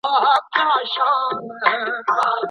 لارښوونې د استادانو لخوا په صنفونو کې بيانيږي.